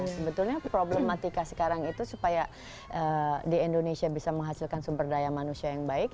sebetulnya problematika sekarang itu supaya di indonesia bisa menghasilkan sumber daya manusia yang baik